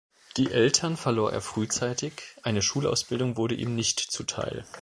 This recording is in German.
Die Eltern verlor er frühzeitig, eine Schulausbildung wurde ihm nicht zuteil.